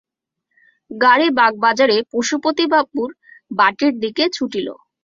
গাড়ী বাগবাজারে পশুপতি বাবুর বাটীর দিকে ছুটিল।